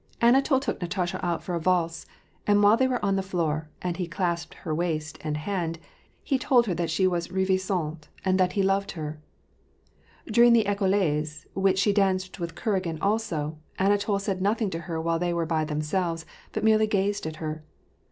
Anatol took Natasha out for a valse ; and while they were on the floor, and he clasped her waist and hand, he told her that she was ravissantSftaind that he loved her. During the Ecossaise, which she danced with Kuragin also, Anatol said nothing to her while they were by themselves, but merely gazed at her.